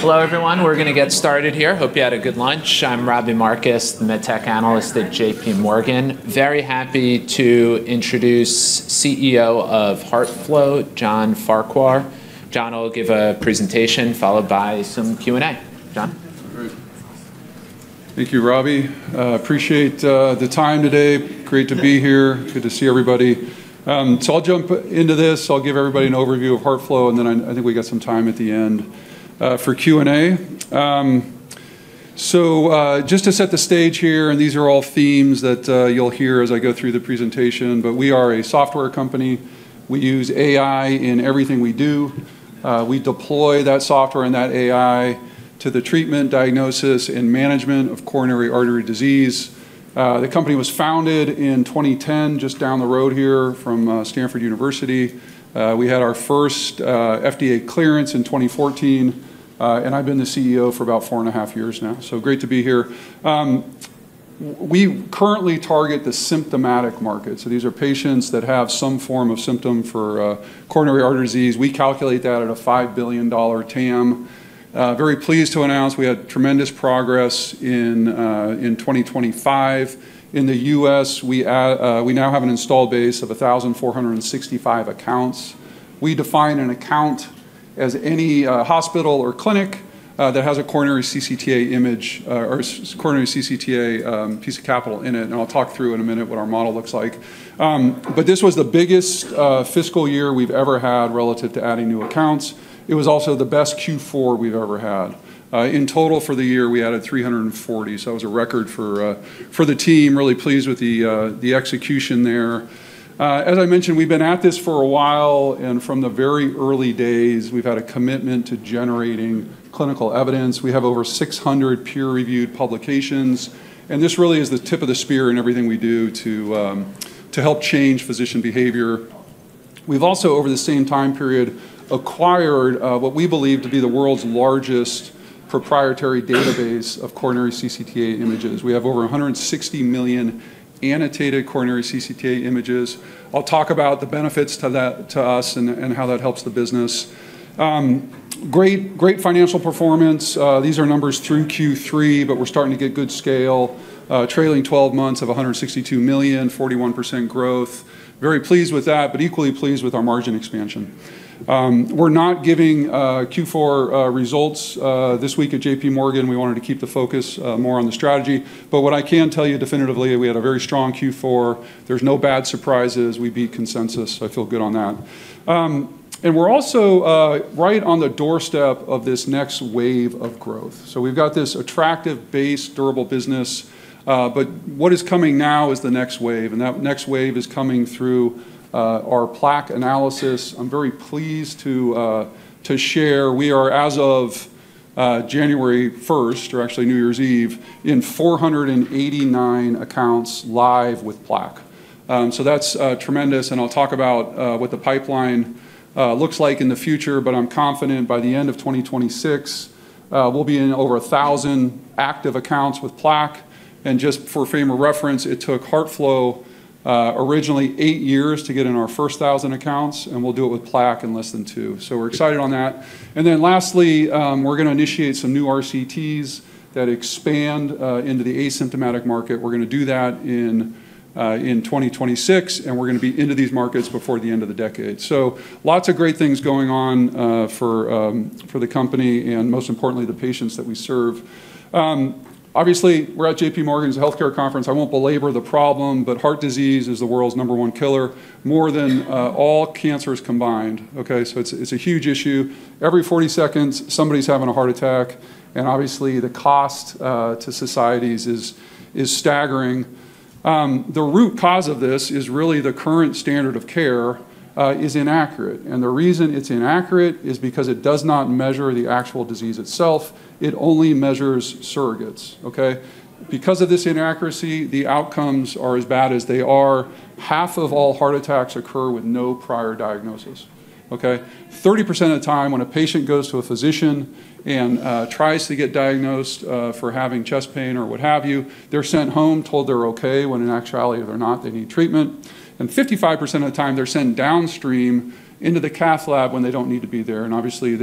Hello, everyone. We're going to get started here. Hope you had a good lunch. I'm Robbie Marcus, the MedTech Analyst at JPMorgan. Very happy to introduce CEO of HeartFlow, John Farquhar. John will give a presentation followed by some Q&A. John? Thank you, Robbie. I appreciate the time today. Great to be here. Good to see everybody. So I'll jump into this. I'll give everybody an overview of HeartFlow, and then I think we've got some time at the end for Q&A. So just to set the stage here, and these are all themes that you'll hear as I go through the presentation. But we are a software company. We use AI in everything we do. We deploy that software and that AI to the treatment, diagnosis, and management of coronary artery disease. The company was founded in 2010, just down the road here from Stanford University. We had our first FDA clearance in 2014. And I've been the CEO for about four and a half years now. So great to be here. We currently target the symptomatic market. So these are patients that have some form of symptom for coronary artery disease. We calculate that at a $5 billion TAM. Very pleased to announce we had tremendous progress in 2025. In the U.S., we now have an installed base of 1,465 accounts. We define an account as any hospital or clinic that has a coronary CCTA image or coronary CCTA piece of capital in it. And I'll talk through in a minute what our model looks like. But this was the biggest fiscal year we've ever had relative to adding new accounts. It was also the best Q4 we've ever had. In total, for the year, we added 340. So that was a record for the team. Really pleased with the execution there. As I mentioned, we've been at this for a while. And from the very early days, we've had a commitment to generating clinical evidence. We have over 600 peer-reviewed publications. And this really is the tip of the spear in everything we do to help change physician behavior. We've also, over the same time period, acquired what we believe to be the world's largest proprietary database of coronary CCTA images. We have over 160 million annotated coronary CCTA images. I'll talk about the benefits to us and how that helps the business. Great financial performance. These are numbers through Q3, but we're starting to get good scale. Trailing 12 months of $162 million, 41% growth. Very pleased with that, but equally pleased with our margin expansion. We're not giving Q4 results this week JPMorgan. we wanted to keep the focus more on the strategy. But what I can tell you definitively, we had a very strong Q4. There's no bad surprises. We beat consensus. I feel good on that. And we're also right on the doorstep of this next wave of growth. So we've got this subscription-based durable business. But what is coming now is the next wave. And that next wave is coming through our Plaque Analysis. I'm very pleased to share we are, as of January 1st, or actually New Year's Eve, in 489 accounts live with plaque. So that's tremendous. And I'll talk about what the pipeline looks like in the future. But I'm confident by the end of 2026, we'll be in over 1,000 active accounts with plaque. And just for frame of reference, it took HeartFlow originally eight years to get in our first 1,000 accounts. And we'll do it with plaque in less than two. So we're excited on that. And then lastly, we're going to initiate some new RCTs that expand into the asymptomatic market. We're going to do that in 2026. And we're going to be into these markets before the end of the decade. So lots of great things going on for the company and, most importantly, the patients that we serve. Obviously, we're at JPMorgan's healthcare conference. I won't belabor the problem, but heart disease is the world's number one killer more than all cancers combined. So it's a huge issue. Every 40 seconds, somebody's having a heart attack. And obviously, the cost to societies is staggering. The root cause of this is really the current standard of care is inaccurate. And the reason it's inaccurate is because it does not measure the actual disease itself. It only measures surrogates. Because of this inaccuracy, the outcomes are as bad as they are. Half of all heart attacks occur with no prior diagnosis. 30% of the time, when a patient goes to a physician and tries to get diagnosed for having chest pain or what have you, they're sent home, told they're okay, when in actuality, they're not. They need treatment, and 55% of the time, they're sent downstream into the cath lab when they don't need to be there. And obviously,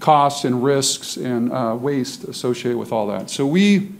there's costs and risks and waste associated with all that, so we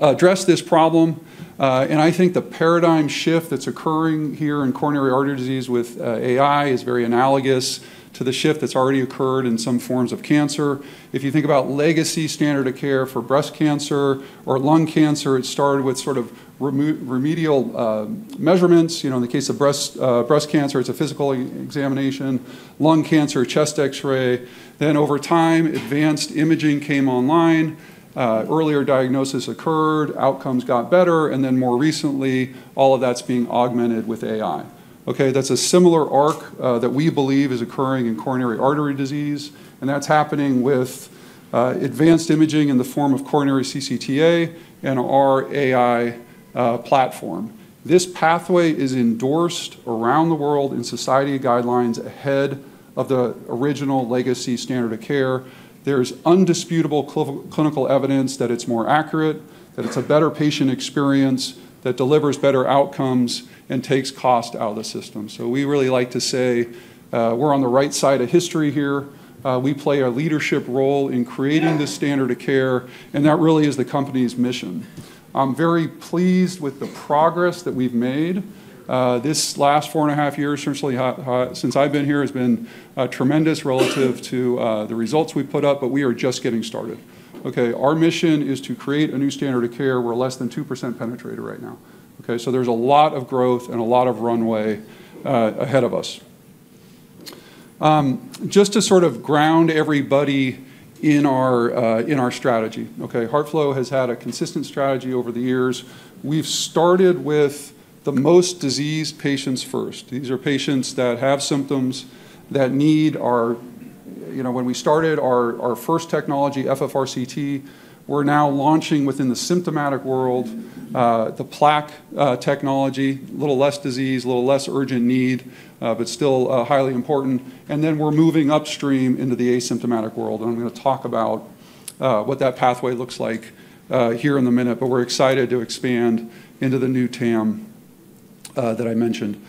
address this problem, and I think the paradigm shift that's occurring here in coronary artery disease with AI is very analogous to the shift that's already occurred in some forms of cancer. If you think about legacy standard of care for breast cancer or lung cancer, it started with sort of remedial measurements. In the case of breast cancer, it's a physical examination. Lung cancer, chest X-ray, then over time, advanced imaging came online. Earlier diagnosis occurred. Outcomes got better, and then more recently, all of that's being augmented with AI. That's a similar arc that we believe is occurring in coronary artery disease, and that's happening with advanced imaging in the form of coronary CCTA and our AI platform. This pathway is endorsed around the world in society guidelines ahead of the original legacy standard of care. There is indisputable clinical evidence that it's more accurate, that it's a better patient experience, that delivers better outcomes, and takes cost out of the system, so we really like to say we're on the right side of history here. We play a leadership role in creating this standard of care, and that really is the company's mission. I'm very pleased with the progress that we've made. This last four and a half years, essentially, since I've been here, has been tremendous relative to the results we put up. But we are just getting started. Our mission is to create a new standard of care. We're less than 2% penetration right now. So there's a lot of growth and a lot of runway ahead of us. Just to sort of ground everybody in our strategy, HeartFlow has had a consistent strategy over the years. We've started with the most diseased patients first. These are patients that have symptoms that need our. When we started our first technology, FFRCT, we're now launching within the symptomatic world the plaque technology, a little less disease, a little less urgent need, but still highly important. And then we're moving upstream into the asymptomatic world. And I'm going to talk about what that pathway looks like here in a minute. But we're excited to expand into the new TAM that I mentioned.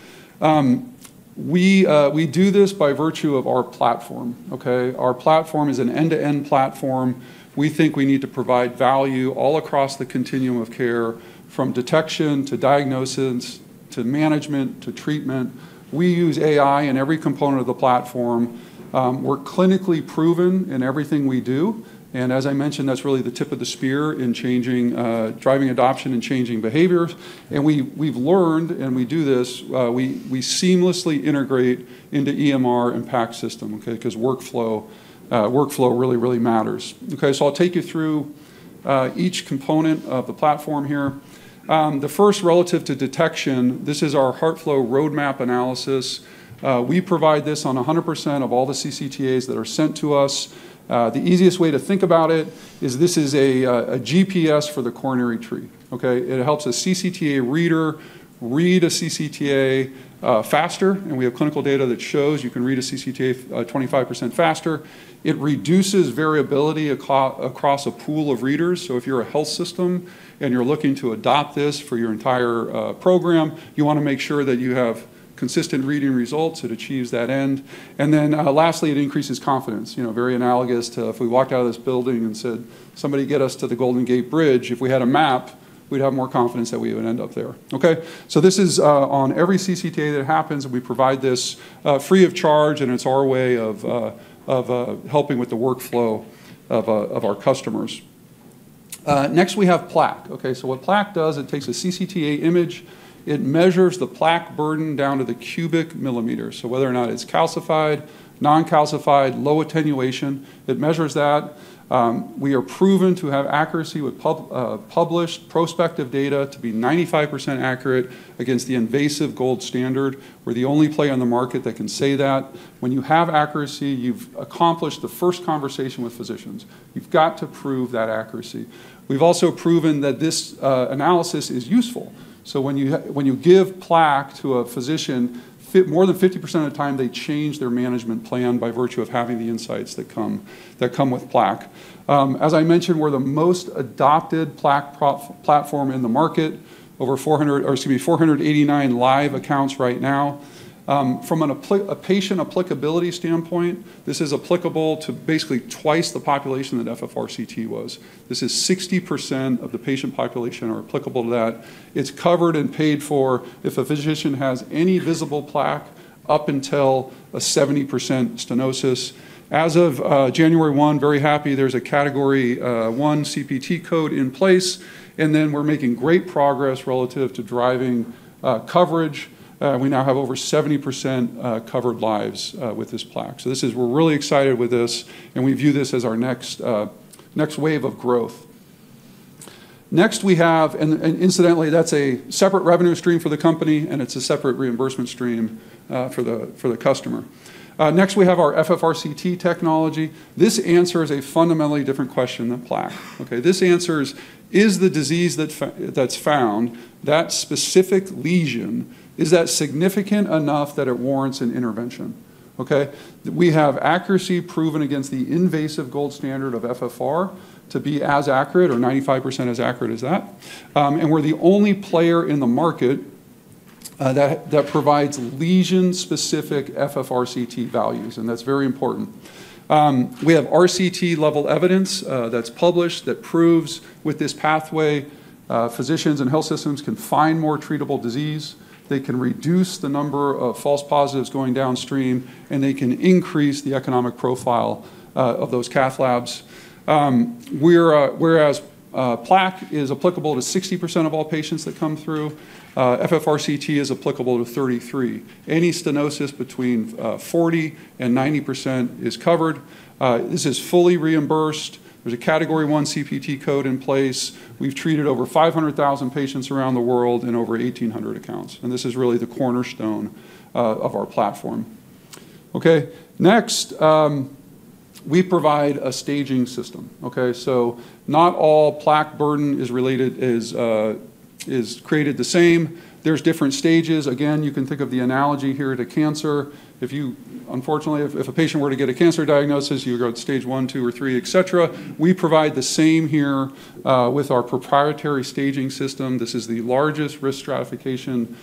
We do this by virtue of our platform. Our platform is an end-to-end platform. We think we need to provide value all across the continuum of care from detection to diagnosis to management to treatment. We use AI in every component of the platform. We're clinically proven in everything we do. And as I mentioned, that's really the tip of the spear in driving adoption and changing behaviors. And we've learned, and we do this, we seamlessly integrate into EMR and PACS system because workflow really, really matters. So I'll take you through each component of the platform here. The first relative to detection, this is our HeartFlow Roadmap Analysis. We provide this on 100% of all the CCTAs that are sent to us. The easiest way to think about it is this is a GPS for the coronary tree. It helps a CCTA reader read a CCTA faster. We have clinical data that shows you can read a CCTA 25% faster. It reduces variability across a pool of readers. If you're a health system and you're looking to adopt this for your entire program, you want to make sure that you have consistent reading results that achieve that end. Lastly, it increases confidence. Very analogous to if we walked out of this building and said, "Somebody get us to the Golden Gate Bridge." If we had a map, we'd have more confidence that we would end up there. This is on every CCTA that happens. We provide this free of charge. It's our way of helping with the workflow of our customers. Next, we have plaque. What plaque does, it takes a CCTA image. It measures the plaque burden down to the cubic millimeter. So whether or not it's calcified, non-calcified, low attenuation, it measures that. We are proven to have accuracy with published prospective data to be 95% accurate against the invasive gold standard. We're the only play on the market that can say that. When you have accuracy, you've accomplished the first conversation with physicians. You've got to prove that accuracy. We've also proven that this analysis is useful. So when you give plaque to a physician, more than 50% of the time, they change their management plan by virtue of having the insights that come with plaque. As I mentioned, we're the most adopted plaque platform in the market, over 489 live accounts right now. From a patient applicability standpoint, this is applicable to basically twice the population that FFRCT was. This is 60% of the patient population are applicable to that. It's covered and paid for if a physician has any visible plaque up until a 70% stenosis. As of January 1, very happy, there's a Category I CPT code in place, and then we're making great progress relative to driving coverage. We now have over 70% covered lives with this plaque, so we're really excited with this, and we view this as our next wave of growth. Next, we have, and incidentally, that's a separate revenue stream for the company, and it's a separate reimbursement stream for the customer. Next, we have our FFRCT technology. This answers a fundamentally different question than plaque. This answers, is the disease that's found, that specific lesion, is that significant enough that it warrants an intervention. We have accuracy proven against the invasive gold standard of FFR to be as accurate or 95% as accurate as that. We're the only player in the market that provides lesion-specific FFRCT values. And that's very important. We have RCT-level evidence that's published that proves with this pathway, physicians and health systems can find more treatable disease. They can reduce the number of false positives going downstream. And they can increase the economic profile of those cath labs. Whereas plaque is applicable to 60% of all patients that come through, FFRCT is applicable to 33%. Any stenosis between 40%-90% is covered. This is fully reimbursed. There's a Category I CPT code in place. We've treated over 500,000 patients around the world in over 1,800 accounts. And this is really the cornerstone of our platform. Next, we provide a staging system. So not all plaque burden is created the same. There's different stages. Again, you can think of the analogy here to cancer. Unfortunately, if a patient were to get a cancer diagnosis, you would go to stage one, two, or three, etc. We provide the same here with our proprietary staging system. This is the largest risk stratification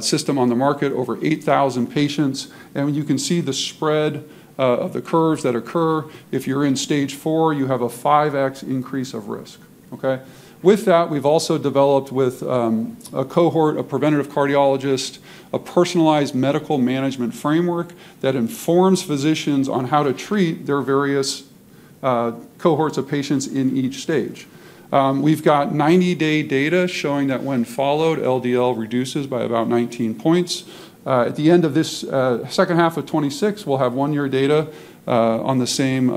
system on the market, over 8,000 patients, and you can see the spread of the curves that occur. If you're in stage four, you have a 5x increase of risk. With that, we've also developed with a cohort of preventative cardiologists a personalized medical management framework that informs physicians on how to treat their various cohorts of patients in each stage. We've got 90-day data showing that when followed, LDL reduces by about 19 points. At the end of this second half of 2026, we'll have one-year data on the same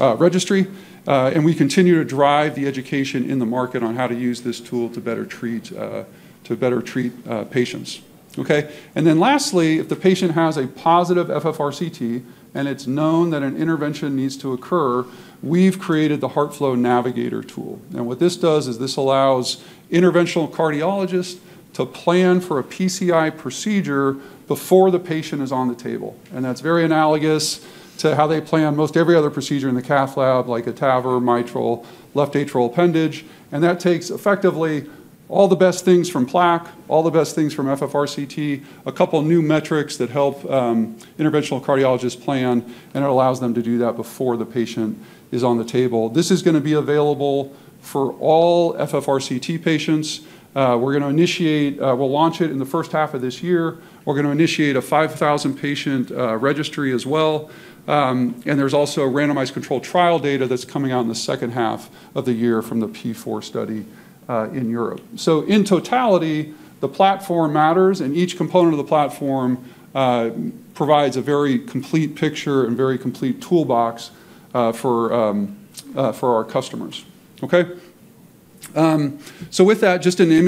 registry. We continue to drive the education in the market on how to use this tool to better treat patients. And then lastly, if the patient has a positive FFRCT and it's known that an intervention needs to occur, we've created the HeartFlow Navigator tool. And what this does is this allows interventional cardiologists to plan for a PCI procedure before the patient is on the table. And that's very analogous to how they plan most every other procedure in the cath lab, like a TAVR, mitral, left atrial appendage. And that takes effectively all the best things from plaque, all the best things from FFRCT, a couple of new metrics that help interventional cardiologists plan. And it allows them to do that before the patient is on the table. This is going to be available for all FFRCT patients. We're going to launch it in the first half of this year. We're going to initiate a 5,000-patient registry as well. There's also randomized controlled trial data that's coming out in the second half of the year from the P4 study in Europe. So in totality, the platform matters. Each component of the platform provides a very complete picture and very complete toolbox for our customers. With that, just a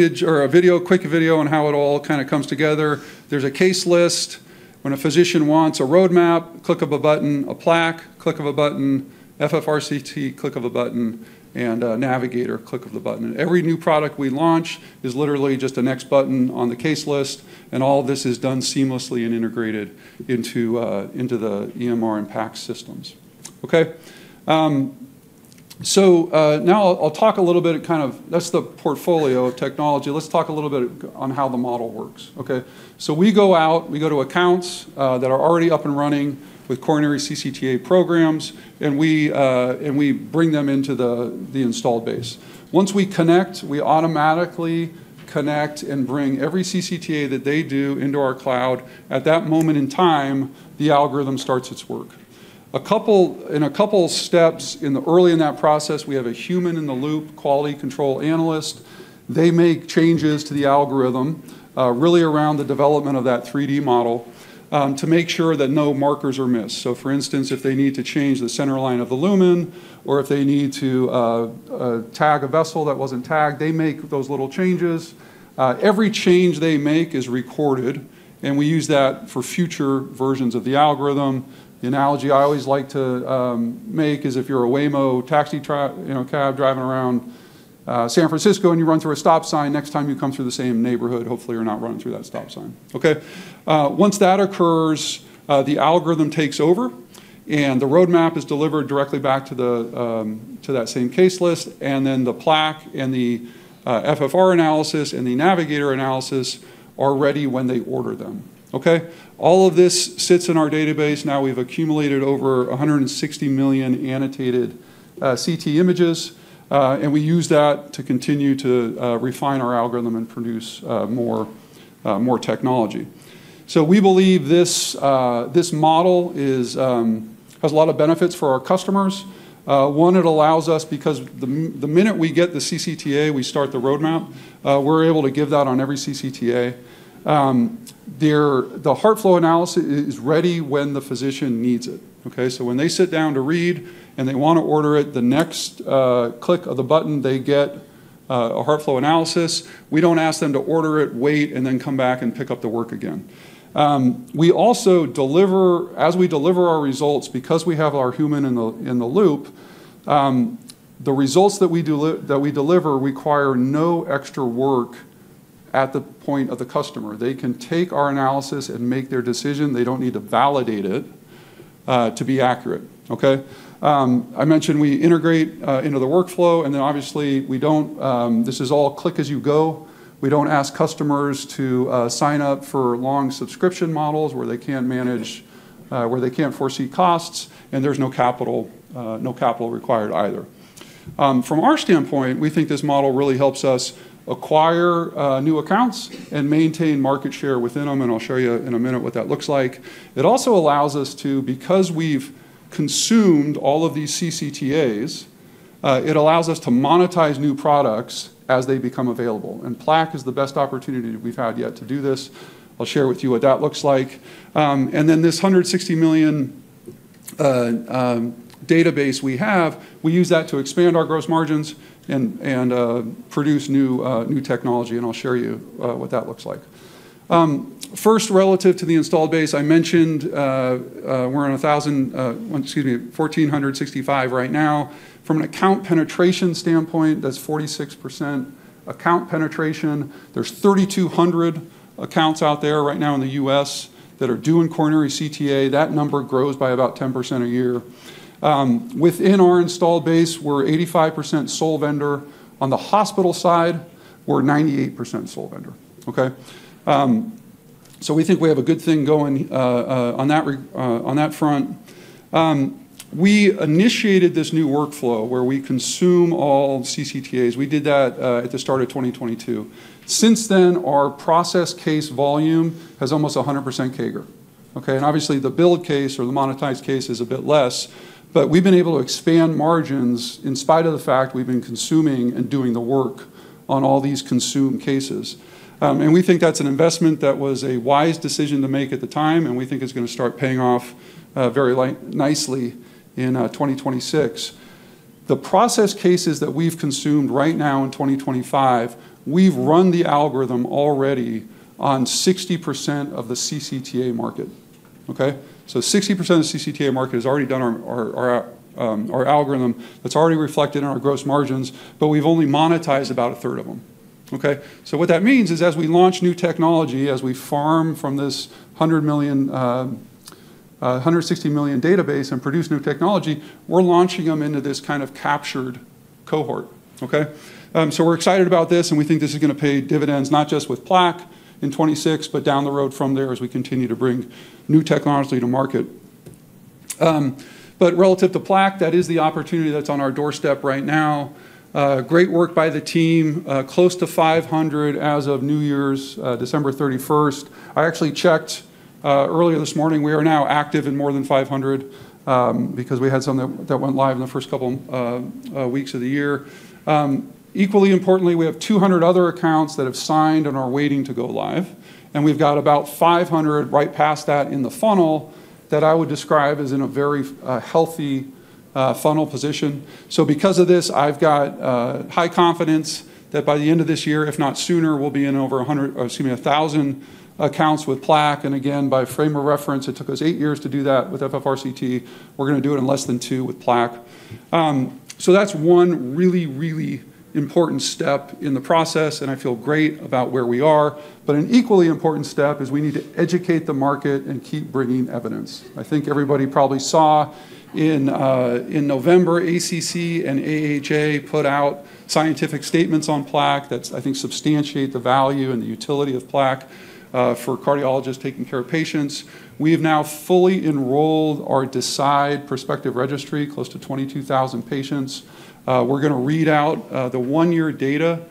quick video on how it all kind of comes together. There's a case list. When a physician wants a Roadmap, click of a button. A plaque, click of a button. FFRCT, click of a button. And Navigator, click of the button. Every new product we launch is literally just a next button on the case list. All of this is done seamlessly and integrated into the EMR and PACS systems. Now I'll talk a little bit. Kind of that's the portfolio of technology. Let's talk a little bit on how the model works. So we go out. We go to accounts that are already up and running with coronary CCTA programs. And we bring them into the installed base. Once we connect, we automatically connect and bring every CCTA that they do into our cloud. At that moment in time, the algorithm starts its work. In a couple of steps early in that process, we have a human-in-the-loop quality control analyst. They make changes to the algorithm really around the development of that 3D model to make sure that no markers are missed. So for instance, if they need to change the centerline of the lumen or if they need to tag a vessel that wasn't tagged, they make those little changes. Every change they make is recorded. And we use that for future versions of the algorithm. The analogy I always like to make is if you're a Waymo taxi cab driving around San Francisco and you run through a stop sign, next time you come through the same neighborhood, hopefully, you're not running through that stop sign. Once that occurs, the algorithm takes over. And the Roadmap is delivered directly back to that same case list. And then the plaque and the FFR analysis and the Navigator analysis are ready when they order them. All of this sits in our database. Now we've accumulated over 160 million annotated CT images. And we use that to continue to refine our algorithm and produce more technology. So we believe this model has a lot of benefits for our customers. One, it allows us because the minute we get the CCTA, we start the Roadmap. We're able to give that on every CCTA. The HeartFlow analysis is ready when the physician needs it. So when they sit down to read and they want to order it, the next click of the button, they get a HeartFlow analysis. We don't ask them to order it, wait, and then come back and pick up the work again. As we deliver our results, because we have our human in the loop, the results that we deliver require no extra work at the point of the customer. They can take our analysis and make their decision. They don't need to validate it to be accurate. I mentioned we integrate into the workflow. And then obviously, this is all click as you go. We don't ask customers to sign up for long subscription models where they can't foresee costs. And there's no capital required either. From our standpoint, we think this model really helps us acquire new accounts and maintain market share within them. And I'll show you in a minute what that looks like. It also allows us to, because we've consumed all of these CCTAs, it allows us to monetize new products as they become available. And plaque is the best opportunity we've had yet to do this. I'll share with you what that looks like. And then this 160 million database we have, we use that to expand our gross margins and produce new technology. And I'll show you what that looks like. First, relative to the installed base, I mentioned we're at 1,000 excuse me, 1,465 right now. From an account penetration standpoint, that's 46% account penetration. There's 3,200 accounts out there right now in the U.S. that are doing coronary CTA. That number grows by about 10% a year. Within our installed base, we're 85% sole vendor. On the hospital side, we're 98% sole vendor. So we think we have a good thing going on that front. We initiated this new workflow where we consume all CCTAs. We did that at the start of 2022. Since then, our process case volume has almost 100% CAGR. And obviously, the billed case or the monetized case is a bit less. But we've been able to expand margins in spite of the fact we've been consuming and doing the work on all these consumed cases. And we think that's an investment that was a wise decision to make at the time. And we think it's going to start paying off very nicely in 2026. The process cases that we've consumed right now in 2025. We've run the algorithm already on 60% of the CCTA market. 60% of the CCTA market has already done our algorithm. It's already reflected in our gross margins. But we've only monetized about a third of them. So what that means is as we launch new technology, as we farm from this 160 million database and produce new technology, we're launching them into this kind of captured cohort. So we're excited about this. And we think this is going to pay dividends not just with plaque in 2026, but down the road from there as we continue to bring new technology to market. But relative to plaque, that is the opportunity that's on our doorstep right now. Great work by the team. Close to 500 as of New Year's, December 31st. I actually checked earlier this morning. We are now active in more than 500 because we had some that went live in the first couple of weeks of the year. Equally importantly, we have 200 other accounts that have signed and are waiting to go live. And we've got about 500 right past that in the funnel that I would describe as in a very healthy funnel position. So because of this, I've got high confidence that by the end of this year, if not sooner, we'll be in over 1,000 accounts with plaque. And again, by frame of reference, it took us eight years to do that with FFRCT. We're going to do it in less than two with plaque. So that's one really, really important step in the process. And I feel great about where we are. But an equally important step is we need to educate the market and keep bringing evidence. I think everybody probably saw in November, ACC and AHA put out scientific statements on plaque that I think substantiate the value and the utility of plaque for cardiologists taking care of patients. We have now fully enrolled our DECIDE prospective registry, close to 22,000 patients. We're going to read out the one-year data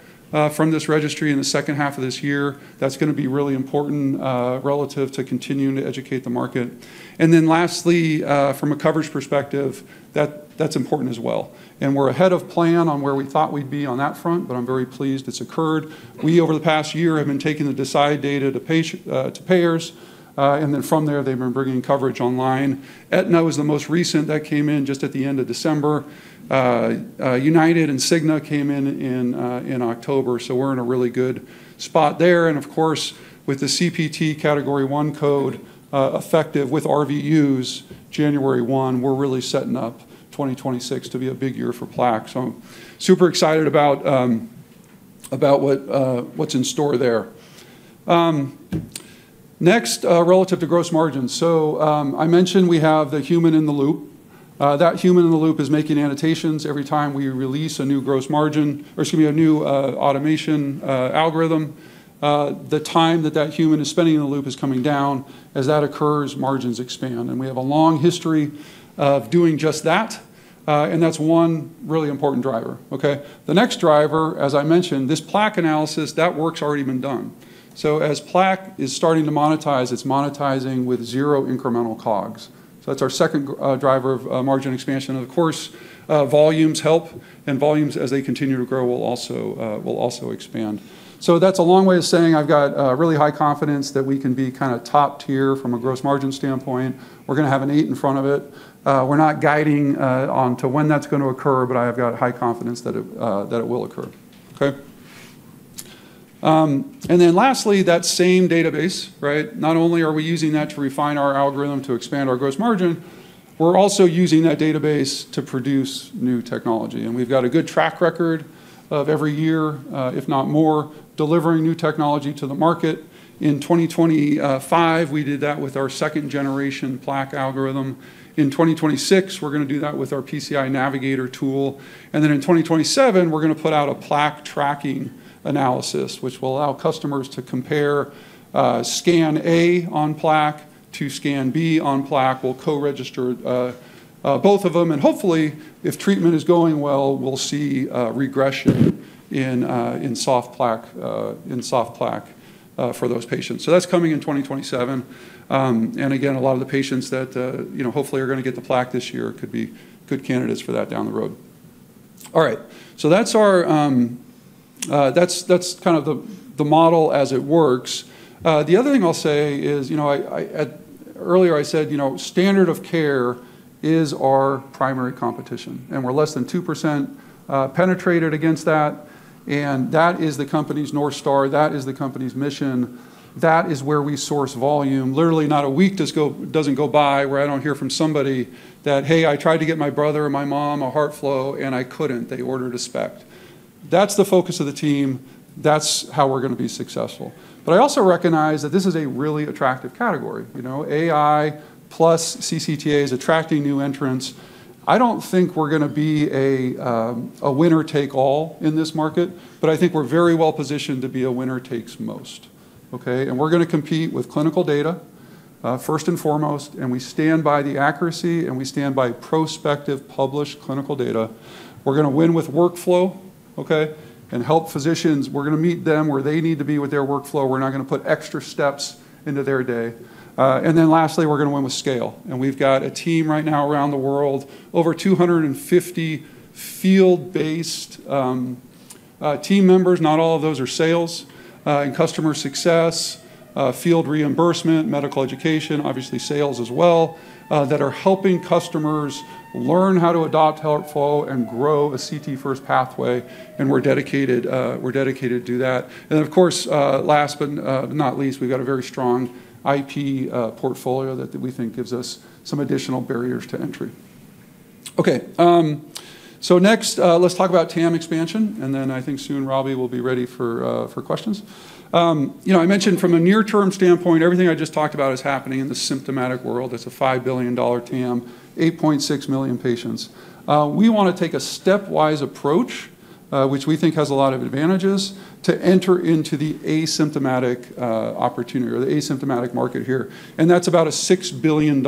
from this registry in the second half of this year. That's going to be really important relative to continuing to educate the market, and then lastly, from a coverage perspective, that's important as well, and we're ahead of plan on where we thought we'd be on that front, but I'm very pleased it's occurred. We, over the past year, have been taking the DECIDE data to payers, and then from there, they've been bringing coverage online. Aetna was the most recent that came in just at the end of December. United and Cigna came in in October. So we're in a really good spot there. And of course, with the Category I CPT code effective with RVUs January 1, we're really setting up 2026 to be a big year for plaque. So I'm super excited about what's in store there. Next, relative to gross margins. So I mentioned we have the human in the loop. That human in the loop is making annotations every time we release a new gross margin or excuse me, a new automation algorithm. The time that that human is spending in the loop is coming down. As that occurs, margins expand. And we have a long history of doing just that. And that's one really important driver. The next driver, as I mentioned, this Plaque Analysis, that work's already been done. So as plaque is starting to monetize, it's monetizing with zero incremental COGS. That's our second driver of margin expansion. Of course, volumes help. Volumes, as they continue to grow, will also expand. That's a long way of saying I've got really high confidence that we can be kind of top tier from a gross margin standpoint. We're going to have an eight in front of it. We're not guiding on to when that's going to occur. I've got high confidence that it will occur. Lastly, that same database, not only are we using that to refine our algorithm to expand our gross margin, we're also using that database to produce new technology. We've got a good track record of every year, if not more, delivering new technology to the market. In 2025, we did that with our second-generation plaque algorithm. In 2026, we're going to do that with our PCI Navigator tool. And then in 2027, we're going to put out a plaque tracking analysis, which will allow customers to compare scan A on plaque to scan B on plaque. We'll co-register both of them. And hopefully, if treatment is going well, we'll see regression in soft plaque for those patients. So that's coming in 2027. And again, a lot of the patients that hopefully are going to get the plaque this year could be good candidates for that down the road. All right. So that's kind of the model as it works. The other thing I'll say is earlier, I said standard of care is our primary competition. And we're less than 2% penetrated against that. And that is the company's North Star. That is the company's mission. That is where we source volume. Literally, not a week doesn't go by where I don't hear from somebody that, "Hey, I tried to get my brother and my mom a HeartFlow, and I couldn't. They ordered a SPECT." That's the focus of the team. That's how we're going to be successful. But I also recognize that this is a really attractive category. AI plus CCTA is attracting new entrants. I don't think we're going to be a winner take all in this market. But I think we're very well positioned to be a winner takes most. And we're going to compete with clinical data first and foremost. And we stand by the accuracy. And we stand by prospective published clinical data. We're going to win with workflow and help physicians. We're going to meet them where they need to be with their workflow. We're not going to put extra steps into their day. And then lastly, we're going to win with scale. And we've got a team right now around the world, over 250 field-based team members. Not all of those are sales and customer success, field reimbursement, medical education, obviously sales as well, that are helping customers learn how to adopt HeartFlow and grow a CT-first pathway. And we're dedicated to do that. And of course, last but not least, we've got a very strong IP portfolio that we think gives us some additional barriers to entry. Okay. So next, let's talk about TAM expansion. And then I think soon Robbie will be ready for questions. I mentioned from a near-term standpoint, everything I just talked about is happening in the symptomatic world. It's a $5 billion TAM, 8.6 million patients. We want to take a stepwise approach, which we think has a lot of advantages, to enter into the asymptomatic opportunity or the asymptomatic market here. And that's about a $6 billion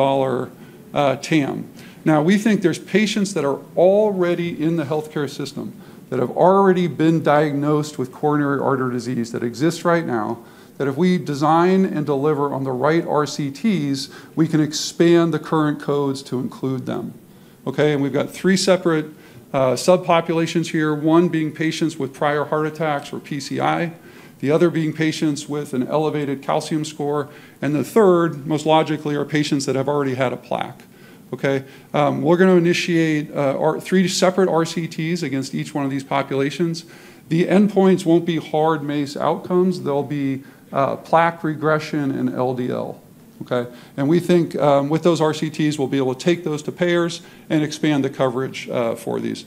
TAM. Now, we think there's patients that are already in the healthcare system that have already been diagnosed with coronary artery disease that exists right now that if we design and deliver on the right RCTs, we can expand the current codes to include them. And we've got three separate subpopulations here, one being patients with prior heart attacks or PCI, the other being patients with an elevated calcium score, and the third, most logically, are patients that have already had a plaque. We're going to initiate three separate RCTs against each one of these populations. The endpoints won't be hard MACE outcomes. They'll be plaque regression and LDL. And we think with those RCTs, we'll be able to take those to payers and expand the coverage for these.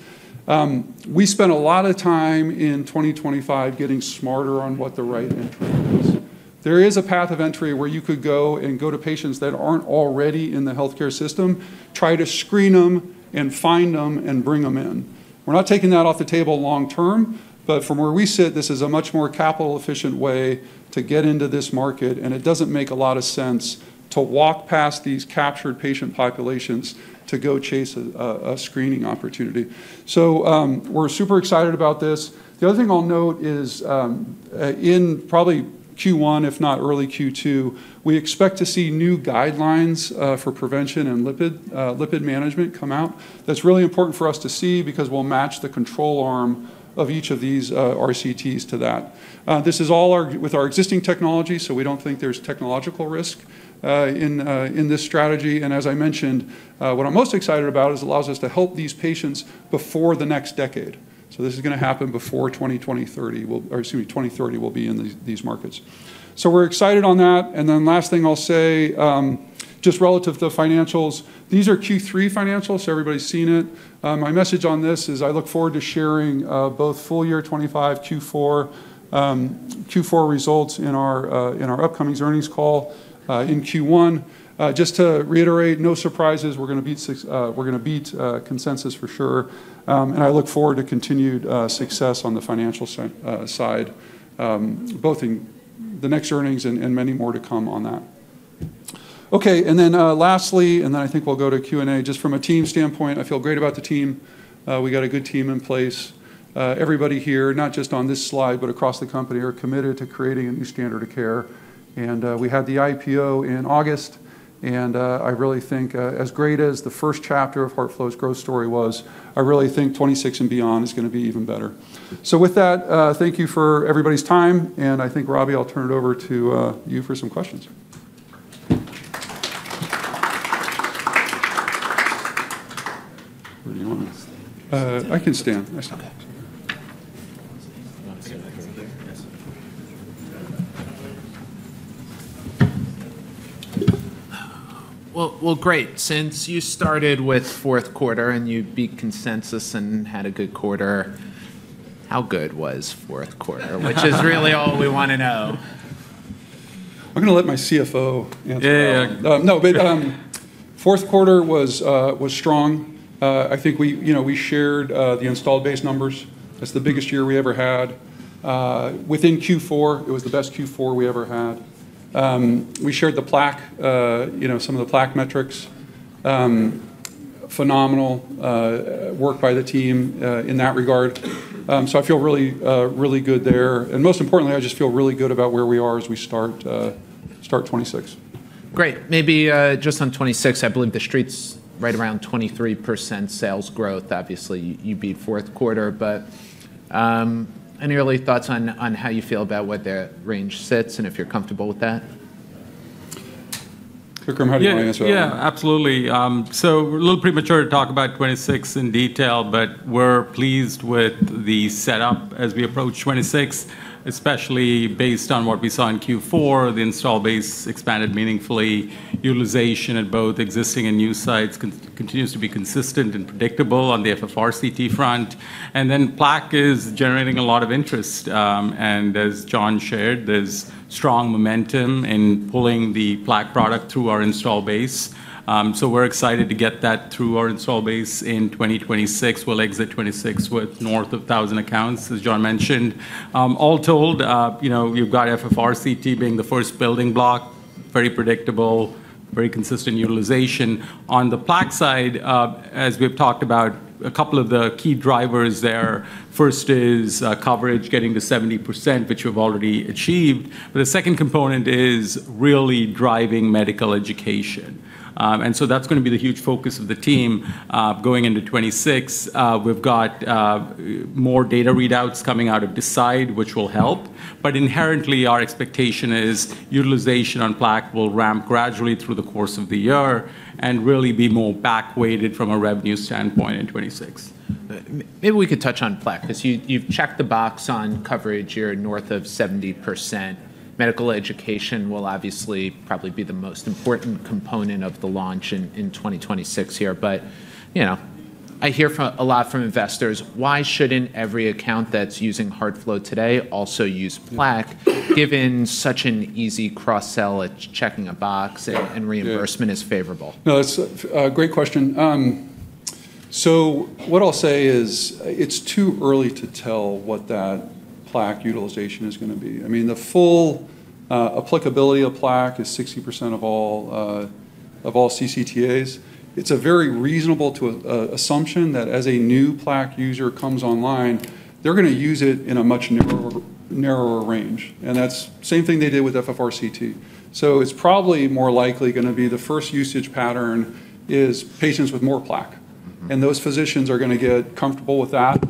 We spent a lot of time in 2025 getting smarter on what the right entry is. There is a path of entry where you could go and go to patients that aren't already in the healthcare system, try to screen them and find them and bring them in. We're not taking that off the table long term. But from where we sit, this is a much more capital-efficient way to get into this market. And it doesn't make a lot of sense to walk past these captured patient populations to go chase a screening opportunity. So we're super excited about this. The other thing I'll note is in probably Q1, if not early Q2, we expect to see new guidelines for prevention and lipid management come out. That's really important for us to see because we'll match the control arm of each of these RCTs to that. This is all with our existing technology. So we don't think there's technological risk in this strategy. And as I mentioned, what I'm most excited about is it allows us to help these patients before the next decade. So this is going to happen before 2030. Excuse me, 2030 will be in these markets. So we're excited on that. And then last thing I'll say, just relative to financials, these are Q3 financials. So everybody's seen it. My message on this is I look forward to sharing both full year 2025, Q4 results in our upcoming earnings call in Q1. Just to reiterate, no surprises. We're going to beat consensus for sure. And I look forward to continued success on the financial side, both in the next earnings and many more to come on that. Okay. And then lastly, and then I think we'll go to Q&A. Just from a team standpoint, I feel great about the team. We got a good team in place. Everybody here, not just on this slide, but across the company are committed to creating a new standard of care. And we had the IPO in August. And I really think as great as the first chapter of HeartFlow's growth story was, I really think 2026 and beyond is going to be even better. So with that, thank you for everybody's time. And I think, Robbie, I'll turn it over to you for some questions. Where do you want to stand? I can stand. I stand back here. Yes. Well, great. Since you started with fourth quarter and you beat consensus and had a good quarter, how good was fourth quarter, which is really all we want to know? I'm going to let my CFO answer that. No, but fourth quarter was strong. I think we shared the installed base numbers. That's the biggest year we ever had. Within Q4, it was the best Q4 we ever had. We shared some of the plaque metrics. Phenomenal work by the team in that regard. So I feel really good there. And most importantly, I just feel really good about where we are as we start 2026. Great. Maybe just on 2026, I believe the street's right around 23% sales growth. Obviously, you beat fourth quarter. But any early thoughts on how you feel about where the range sits and if you're comfortable with that? Vikram, how do you want to answer that? Yeah, absolutely. So a little premature to talk about 2026 in detail, but we're pleased with the setup as we approach 2026, especially based on what we saw in Q4. The install base expanded meaningfully. Utilization at both existing and new sites continues to be consistent and predictable on the FFRCT front. And then plaque is generating a lot of interest. And as John shared, there's strong momentum in pulling the plaque product through our install base. So we're excited to get that through our install base in 2026. We'll exit 2026 with north of 1,000 accounts, as John mentioned. All told, you've got FFRCT being the first building block, very predictable, very consistent utilization. On the plaque side, as we've talked about, a couple of the key drivers there. First is coverage getting to 70%, which we've already achieved. But the second component is really driving medical education. And so that's going to be the huge focus of the team going into 2026. We've got more data readouts coming out of DECIDE, which will help. But inherently, our expectation is utilization on plaque will ramp gradually through the course of the year and really be more back-weighted from a revenue standpoint in 2026. Maybe we could touch on plaque because you've checked the box on coverage here north of 70%. Medical education will obviously probably be the most important component of the launch in 2026 here. But I hear a lot from investors, "Why shouldn't every account that's using HeartFlow today also use plaque given such an easy cross-sell at checking a box and reimbursement is favorable?" No, that's a great question. So what I'll say is it's too early to tell what that plaque utilization is going to be. I mean, the full applicability of plaque is 60% of all CCTAs. It's a very reasonable assumption that as a new plaque user comes online, they're going to use it in a much narrower range. And that's the same thing they did with FFRCT. So it's probably more likely going to be the first usage pattern is patients with more plaque. And those physicians are going to get comfortable with that.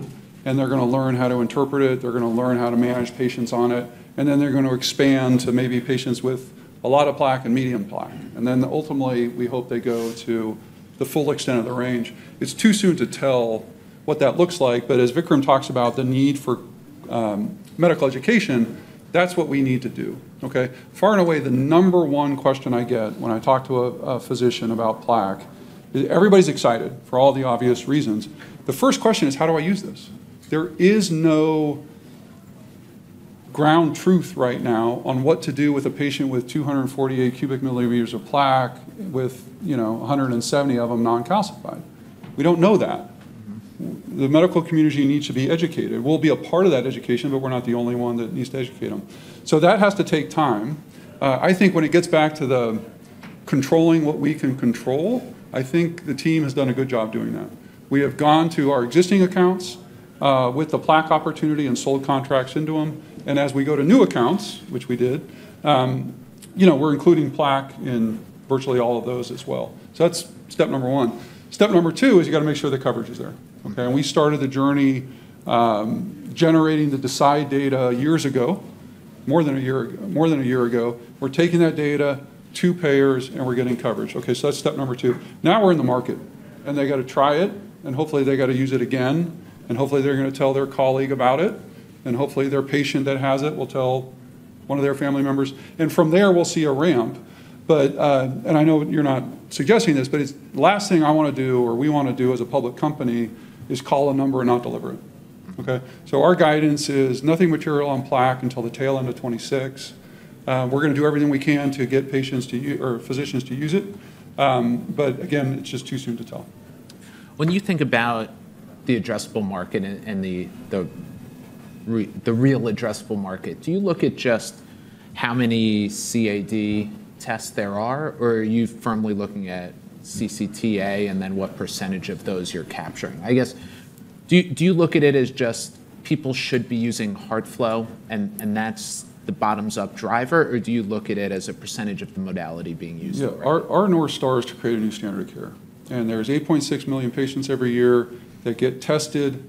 And they're going to learn how to interpret it. They're going to learn how to manage patients on it. And then they're going to expand to maybe patients with a lot of plaque and medium plaque. And then ultimately, we hope they go to the full extent of the range. It's too soon to tell what that looks like. But as Vikram talks about the need for medical education, that's what we need to do. Far and away, the number one question I get when I talk to a physician about plaque is everybody's excited for all the obvious reasons. The first question is, "How do I use this?" There is no ground truth right now on what to do with a patient with 248 cu mm of plaque with 170 of them non-calcified. We don't know that. The medical community needs to be educated. We'll be a part of that education, but we're not the only one that needs to educate them. So that has to take time. I think when it gets back to controlling what we can control, I think the team has done a good job doing that. We have gone to our existing accounts with the plaque opportunity and sold contracts into them. And as we go to new accounts, which we did, we're including plaque in virtually all of those as well. So that's step number one. Step number two is you got to make sure the coverage is there. And we started the journey generating the DECIDE data years ago, more than a year ago. We're taking that data to payers, and we're getting coverage. So that's step number two. Now we're in the market. And they got to try it. And hopefully, they got to use it again. And hopefully, they're going to tell their colleague about it. And hopefully, their patient that has it will tell one of their family members. And from there, we'll see a ramp. And I know you're not suggesting this, but the last thing I want to do or we want to do as a public company is call a number and not deliver it. So our guidance is nothing material on plaque until the tail end of 2026. We're going to do everything we can to get patients or physicians to use it. But again, it's just too soon to tell. When you think about the addressable market and the real addressable market, do you look at just how many CAD tests there are, or are you firmly looking at CCTA and then what percentage of those you're capturing? I guess, do you look at it as just people should be using HeartFlow and that's the bottoms-up driver, or do you look at it as a percentage of the modality being used? Yeah. Our North Star is to create a new standard of care. And there's 8.6 million patients every year that get tested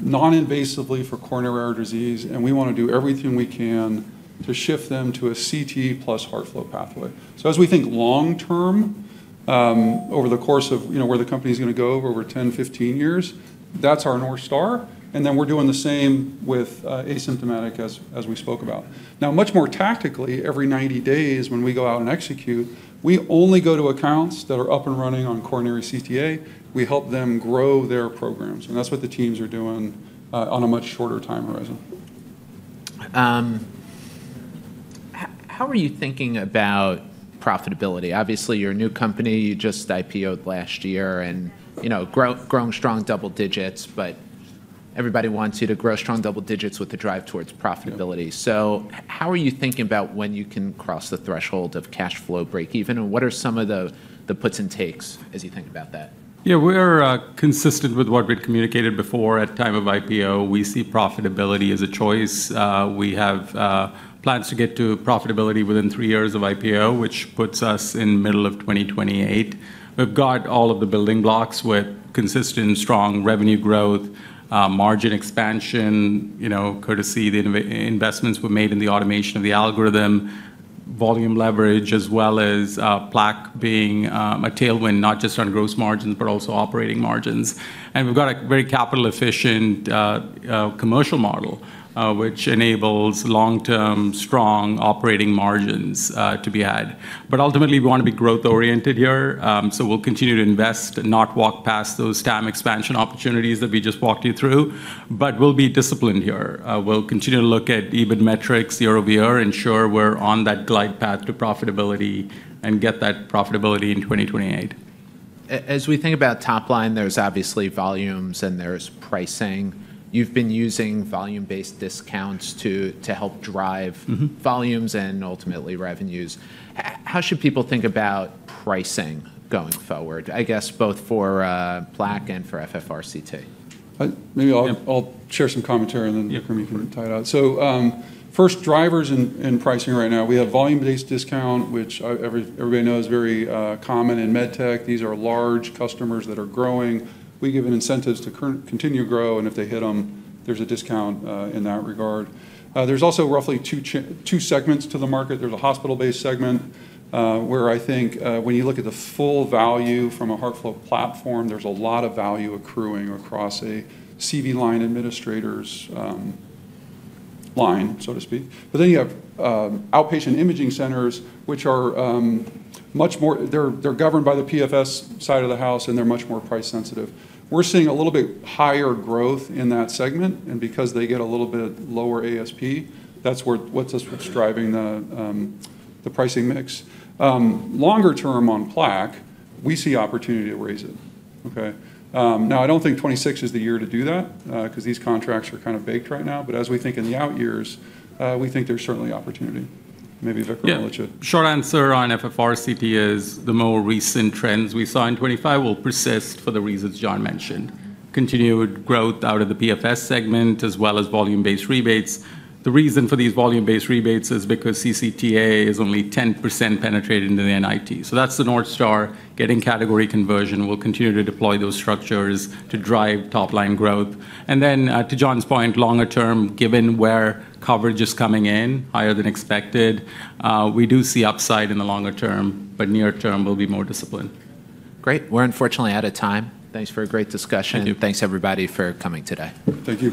non-invasively for coronary artery disease. And we want to do everything we can to shift them to a CT plus HeartFlow pathway. So as we think long-term over the course of where the company is going to go over 10, 15 years, that's our North Star. And then we're doing the same with asymptomatic as we spoke about. Now, much more tactically, every 90 days when we go out and execute, we only go to accounts that are up and running on coronary CTA. We help them grow their programs. And that's what the teams are doing on a much shorter time horizon. How are you thinking about profitability? Obviously, you're a new company. You just IPO'd last year and grown strong double digits, but everybody wants you to grow strong double digits with the drive towards profitability. So how are you thinking about when you can cross the threshold of cash flow break-even? And what are some of the puts and takes as you think about that? Yeah. We're consistent with what we'd communicated before at the time of IPO. We see profitability as a choice. We have plans to get to profitability within three years of IPO, which puts us in the middle of 2028. We've got all of the building blocks with consistent, strong revenue growth, margin expansion courtesy of the investments we made in the automation of the algorithm, volume leverage, as well as plaque being a tailwind not just on gross margins, but also operating margins. And we've got a very capital-efficient commercial model, which enables long-term, strong operating margins to be had. But ultimately, we want to be growth-oriented here. So we'll continue to invest and not walk past those TAM expansion opportunities that we just walked you through. But we'll be disciplined here. We'll continue to look at EBIT metrics year over year and ensure we're on that glide path to profitability and get that profitability in 2028. As we think about top line, there's obviously volumes and there's pricing. You've been using volume-based discounts to help drive volumes and ultimately revenues. How should people think about pricing going forward, I guess, both for plaque and for FFRCT? Maybe I'll share some commentary and then Vikram, you can tie it out. So first, drivers and pricing right now. We have volume-based discount, which everybody knows is very common in med tech. These are large customers that are growing. We give incentives to continue to grow, and if they hit them, there's a discount in that regard. There's also roughly two segments to the market. There's a hospital-based segment where I think when you look at the full value from a HeartFlow platform, there's a lot of value accruing across a CV line administrator's line, so to speak, but then you have outpatient imaging centers, which are much more, they're governed by the PFS side of the house, and they're much more price-sensitive. We're seeing a little bit higher growth in that segment, and because they get a little bit lower ASP, that's what's driving the pricing mix. Longer term on plaque, we see opportunity to raise it. Now, I don't think 2026 is the year to do that because these contracts are kind of baked right now. But as we think in the out years, we think there's certainly opportunity. Maybe Vikram will let you. Yeah. Short answer on FFRCT is the more recent trends we saw in 2025 will persist for the reasons John mentioned. Continued growth out of the PFS segment as well as volume-based rebates. The reason for these volume-based rebates is because CCTA is only 10% penetrated into the NIT. So that's the North Star getting category conversion. We'll continue to deploy those structures to drive top-line growth. And then to John's point, longer term, given where coverage is coming in, higher than expected, we do see upside in the longer term, but near-term, we'll be more disciplined. Great. We're unfortunately out of time. Thanks for a great discussion. Thank you. Thanks, everybody, for coming today. Thank you.